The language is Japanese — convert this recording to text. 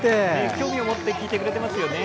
興味を持って聴いてくれていますよね。